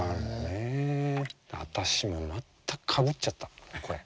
私もう全くかぶっちゃったこれ。